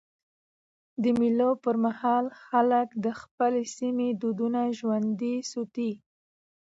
د مېلو پر مهال خلک د خپل سیمي دودونه ژوندي ساتي.